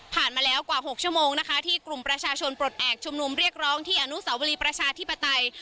มาแล้วกว่า๖ชั่วโมงนะคะที่กลุ่มประชาชนปลดแอบชุมนุมเรียกร้องที่อนุสาวรีประชาธิปไตย